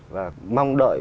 và mong đợi